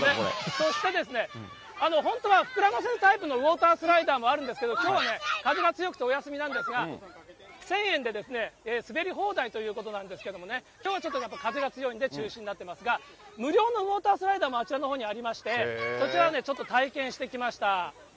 そしてですね、本当は膨らませるタイプのウォータースライダーもあるんですけど、きょうは風が強くてお休みなんですが、１０００円で滑り放題ということなんですけれどもね、きょうはちょっと風が強いんで中止になってますが、無料のウォータースライダーもあちらのほうにありまして、そちらはね、ちょっと体験してきました。